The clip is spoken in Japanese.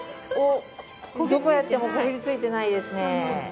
どこやってもこびりついてないですね。